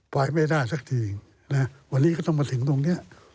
ปล่อยไม่ได้ซักทีวันนี้ก็ต้องมาถึงตรงนี้